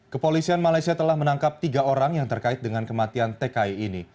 kepolisian malaysia telah menangkap tiga orang yang terkait dengan kematian tki ini